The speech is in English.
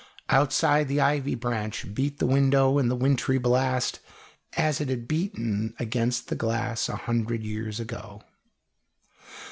Outside the ivy branch beat the window in the wintry blast, as it had beaten against the glass a hundred years ago.